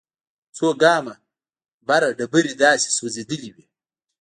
څو ګامه بره ډبرې داسې سوځېدلې وې.